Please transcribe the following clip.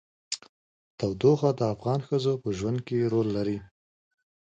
تودوخه د افغان ښځو په ژوند کې رول لري.